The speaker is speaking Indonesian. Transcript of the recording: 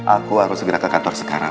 aku harus segera ke kantor sekarang